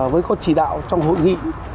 với có chỉ đạo trong hội nghị